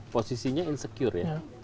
posisinya insecure ya